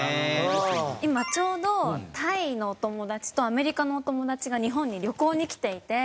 今ちょうどタイのお友達とアメリカのお友達が日本に旅行に来ていて。